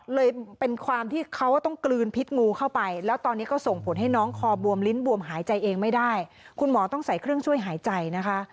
เลยเป็นความที่เขาต้องกลืนพิษงูเข้าไปแล้วตอนนี้ก็ส่งผลให้น้องคอบวมลิ้นบวมหายใจเองไม่ได้คุณหมอต้องใส่เครื่องช่วยหายใจนะคะ